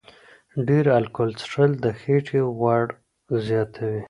ډېر الکول څښل د خېټې غوړ زیاتوي.